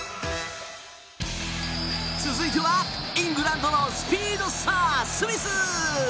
続いては、イングランドのスピードスター・スミス！